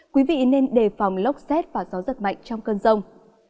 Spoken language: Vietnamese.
quý vị nên đề phòng lốc xét và gió giật mạnh trong cơn rông